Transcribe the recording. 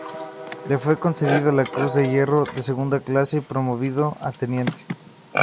Le fue concedida la Cruz de Hierro de Segunda Clase y promovido a teniente.